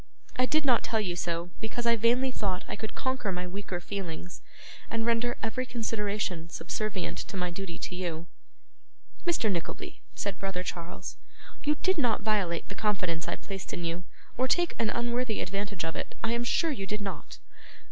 I did not tell you so, because I vainly thought I could conquer my weaker feelings, and render every consideration subservient to my duty to you.' 'Mr. Nickleby,' said brother Charles, 'you did not violate the confidence I placed in you, or take an unworthy advantage of it. I am sure you did not.